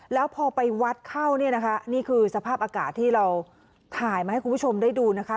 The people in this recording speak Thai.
แล้วพอไปวัดเข้าเนี่ยนะคะนี่คือสภาพอากาศที่เราถ่ายมาให้คุณผู้ชมได้ดูนะคะ